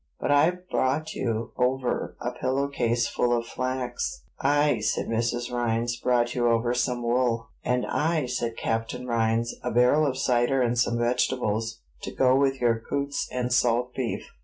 But I've brought you over a pillow case full of flax." "I," said Mrs. Rhines, "brought you over some wool." "And I," said Captain Rhines, "a barrel of cider and some vegetables, to go with your coots and salt beef."